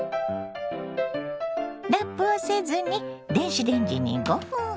ラップをせずに電子レンジに５分ほど。